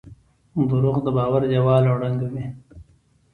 دروغ د باور دیوال ړنګوي.